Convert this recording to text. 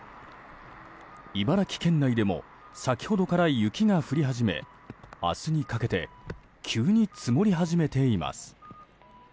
茨城県内でも先ほどから雪が降り始め明日にかけて急に積もり始めています。